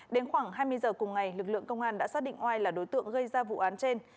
đến khoảng hai mươi giờ cùng ngày lực lượng công an đã xác định oai là đối tượng gây ra vụ án trên